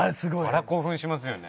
あれは興奮しますよね。